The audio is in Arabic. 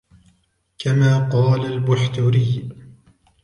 كَمَا قَالَ الْبُحْتُرِيُّ